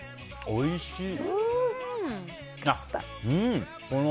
おいしい！